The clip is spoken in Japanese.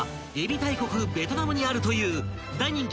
大国ベトナムにあるという大人気］